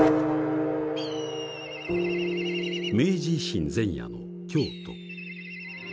明治維新前夜の京都。